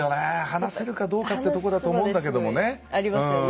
話せるかどうかってとこだと思うんだけどもね。